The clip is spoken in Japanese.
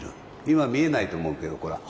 今見えないと思うけどほら。